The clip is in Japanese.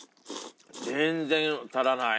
全然足らない。